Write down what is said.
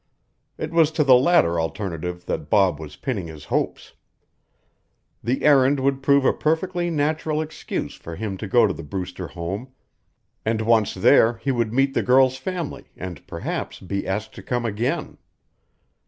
It was to the latter alternative that Bob was pinning his hopes. The errand would provide a perfectly natural excuse for him to go to the Brewster home, and once there he would meet the girl's family and perhaps be asked to come again.